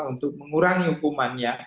untuk mengurangi hukumannya